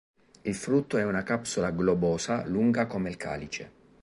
Il frutto è una capsula globosa lunga come il calice.